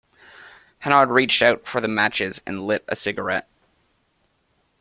Hanaud reached out for the matches and lit a cigarette.